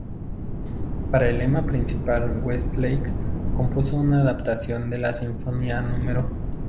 Para el tema principal Westlake compuso una adaptación de la Sinfonía No.